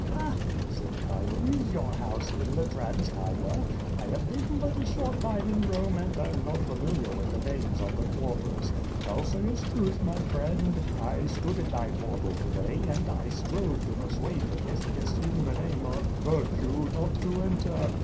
"Ila!" said C'hilo, "is vour house in the Trans Tiber? I have been but a short time in Home and am not familiar witli tlie names of the quarters. Thou sayest truth, my friend, I stood at thy portal to day, and I strove to persuade Vinitius, in the name of virtue, not to enter.